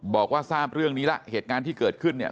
บอกว่าทราบเรื่องนี้แล้วเหตุการณ์ที่เกิดขึ้นเนี่ย